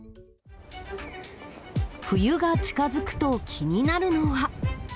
冬が近づくと気になるのは。